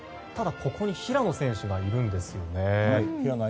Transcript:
ただここに平野選手がいるんですよね。